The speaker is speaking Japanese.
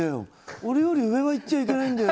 俺より上はいっちゃいけないんだよ